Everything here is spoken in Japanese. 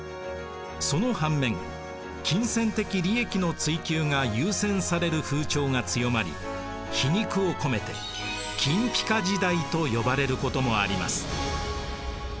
その反面金銭的利益の追求が優先される風潮が強まり皮肉を込めて金ぴか時代と呼ばれることもあります。